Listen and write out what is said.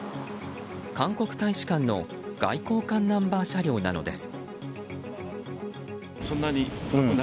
韓国大使館の外交官ナンバー車両なのです。